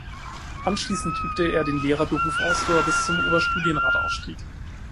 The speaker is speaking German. Anschließend übte er den Lehrer-Beruf aus, wo er bis zum Oberstudienrat aufstieg.